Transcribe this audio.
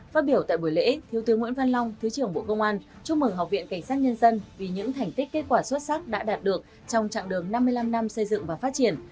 phát biểu tại buổi lễ thiếu tướng nguyễn văn long thứ trưởng bộ công an chúc mừng học viện cảnh sát nhân dân vì những thành tích kết quả xuất sắc đã đạt được trong trạng đường năm mươi năm năm xây dựng và phát triển